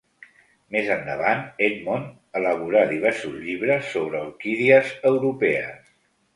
Més endavant, Edmond elaborà diversos llibres sobre orquídies europees.